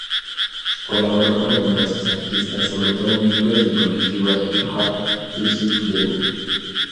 Colaboró con numerosos artistas, sobre todo miembros del colectivo de hip hop Justus League.